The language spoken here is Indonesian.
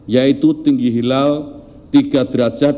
yaitu tinggi hilal tiga derajat